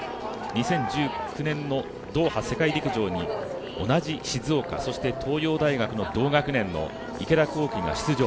２０１９年のドーハ世界陸上に同じ静岡、そして、東洋大学の同学年の池田向希が出場。